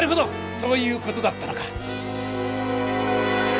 そういう事だったのか！